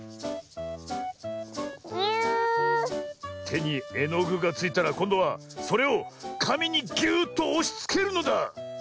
てにえのぐがついたらこんどはそれをかみにぎゅっとおしつけるのだ。